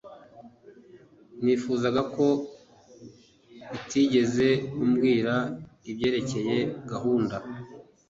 Nifuzaga ko utigeze umubwira ibyerekeye gahunda